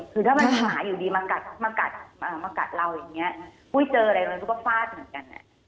คือถ้ามันหมาอยู่ดีมากัดเราอย่างนี้อุ้ยเจออะไรเราก็ฟาดเหมือนกัน